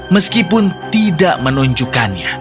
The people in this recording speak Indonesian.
meskipun tidak menunjukkannya